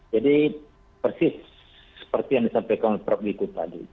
jadi persis seperti yang disampaikan prof iku tadi